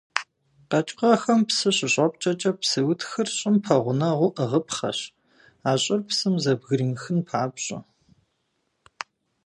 Къэкӏыгъэм псы щыщӏэпкӏэкӏэ псы утхыр щӏым пэгъунэгъуу ӏыгъыпхъэщ, а щӏыр псым зэбгыримыхын папщӏэ.